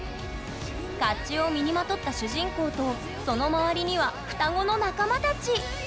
かっちゅうを身にまとった主人公とその周りには双子の仲間たち！